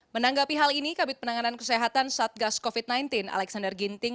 menanggapi hal ini kabit penanganan kesehatan satgas covid sembilan belas alexander ginting